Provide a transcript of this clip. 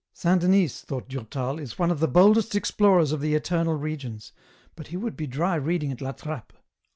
" Saint Denys," thought Durtal, ' is one of the boldest explorers of the eternal regions, but he would be dry reading at La Trappe."